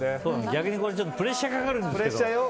逆にこれプレッシャーがかかるんですけど。